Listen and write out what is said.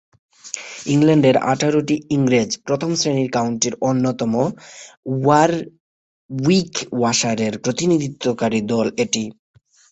ইংল্যান্ডের আঠারোটি ইংরেজ প্রথম-শ্রেণীর কাউন্টির অন্যতম ওয়ারউইকশায়ারের প্রতিনিধিত্বকারী দল এটি।